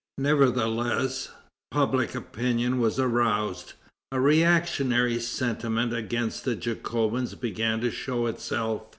Nevertheless, public opinion was aroused. A reactionary sentiment against the Jacobins began to show itself.